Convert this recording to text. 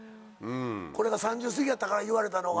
これが３０過ぎやったから言われたのが。